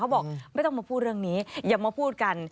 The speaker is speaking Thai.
บอกไม่ต้องมาพูดเรื่องนี้อย่ามาพูดกัน